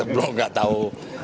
belum enggak tahu